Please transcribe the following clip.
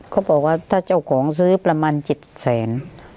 เขาบอกว่าถ้าเจ้าของซื้อประมาณ๗แสน